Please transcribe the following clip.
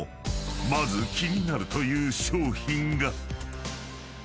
［まず気になるという商品が］